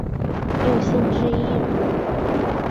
六星之一人。